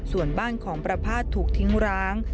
ส่วนบ้านของประภาษณ์ถูกทิ้งร้าง